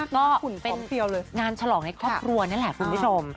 ก็เป็นงานฉลองในครอบครัวนี่แหละคุณผู้ชม